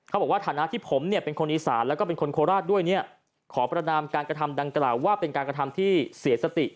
เขาบอกว่าฐานะที่ผมเป็นคนอีสานและคนโคราชด้วยขอประดามการกระทำดังกล่าวว่าเป็นการกระทำที่เสียสติ